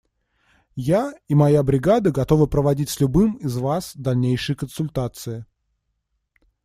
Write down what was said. И я, и моя бригада готовы проводить с любым из вас дальнейшие консультации.